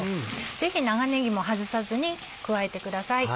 ぜひ長ねぎも外さずに加えてください。